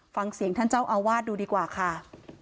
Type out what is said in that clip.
ฟังเสียงท่านเจ้าอาวาสดูดีกว่าค่ะ